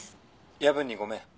夜分にごめん。